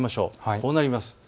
こうなります。